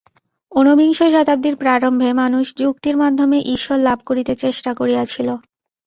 ঊনবিংশ শতাব্দীর প্রারম্ভে মানুষ যুক্তির মাধ্যমে ঈশ্বর লাভ করিতে চেষ্টা করিয়াছিল।